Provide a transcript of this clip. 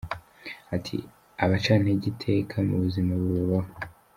Ati ” Abacantege iteka mu buzima babaho.